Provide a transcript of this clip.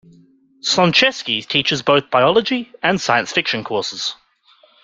Slonczewski teaches both biology and science fiction courses.